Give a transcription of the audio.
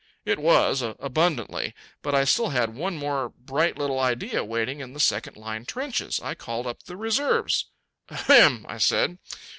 It was abundantly. But I still had one more bright little idea waiting in the second line trenches. I called up the reserves. "Ahem!" I said.